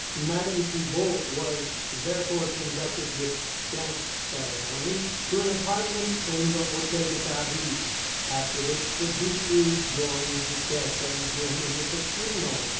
Madame Thibaud was therefore conducted with scant ceremony to an apartment in the Hôtel de Paris, after which the Duc rejoined Piquette and Jim in the Casino.